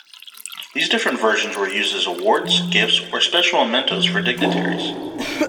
These different versions were used as awards, gifts, or special mementos for dignitaries.